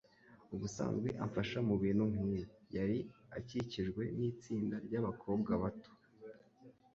Ubusanzwe amfasha mubintu nkibi. yari akikijwe n'itsinda ry'abakobwa bato.